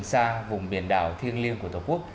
chúng ta đến đây là vùng biển đảo thiêng liêng của tổ quốc